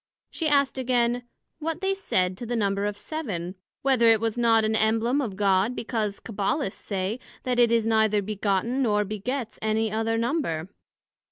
she asked again, What they said to the number of Seven? whether it was not an Embleme of God, because Cabbalists say, That it is neither begotten, nor begets any other Number?